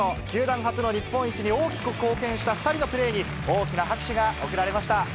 球団初の日本一に大きく貢献した２人のプレーに、大きな拍手が送られました。